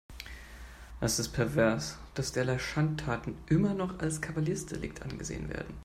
Es ist pervers, dass derlei Schandtaten immer noch als Kavaliersdelikt angesehen werden.